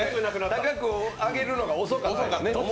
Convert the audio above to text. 高く上げるのが遅かった。